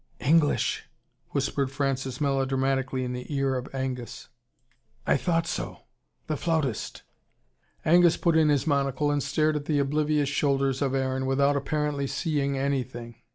"ENGLISH!" whispered Francis melodramatically in the ear of Angus. "I THOUGHT so. The flautist." Angus put in his monocle, and stared at the oblivious shoulders of Aaron, without apparently seeing anything.